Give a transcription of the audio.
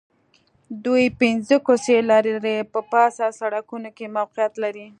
دوی پنځه کوڅې لرې په پاخه سړکونو کې موقعیت لري